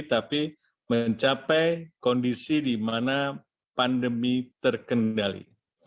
tapi mencapai kondisi di mana pandemi terkendali